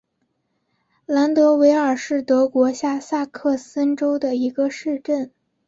兰德韦尔是德国下萨克森州的一个市镇。